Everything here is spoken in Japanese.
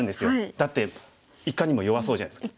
だっていかにも弱そうじゃないですか。